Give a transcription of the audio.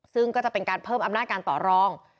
ซึ่งก็จะเป็นการเพิ่มอำนาจการต่อรอง